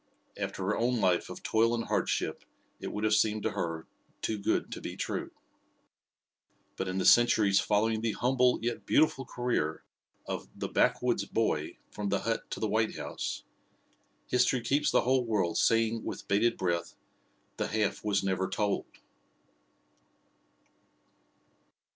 After her own life of toil and hardship it would have seemed to her "too good to be true." But in the centuries following the humble yet beautiful career of "the Backwoods Boy" from the hut to the White House, history keeps the whole world saying with bated breath, "the half was never told!"